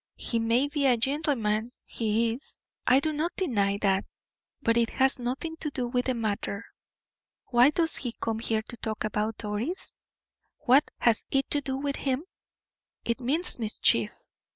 He may be a gentleman he is, I do not deny that; but it has nothing to do with the matter. Why does he come here to talk about Doris? What has it to do with him? It means mischief.